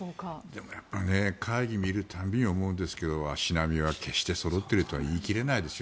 でも、やっぱり会議を見る度に思うんですけど足並みは決してそろっているとは言い切れないです。